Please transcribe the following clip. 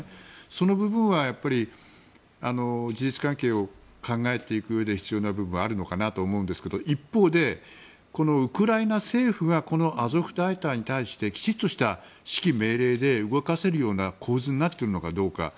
その部分は事実関係を考えていくうえで必要な部分あるのかなと思うんですけど一方で、ウクライナ政府がアゾフ大隊に対してきちっとした指揮命令で動かせるような構図になっているのかどうか。